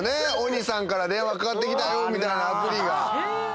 鬼さんから電話かかってきたよみたいなアプリが。